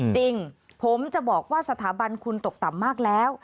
จริงผมจะบอกว่าสถาบันคุณตกต่ำมากแล้ว